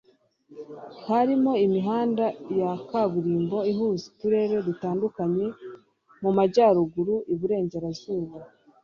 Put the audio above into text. harimo imihanda ya kaburimbo ihuza uturere dutandukanye mu majyaruguru, iburengerazuba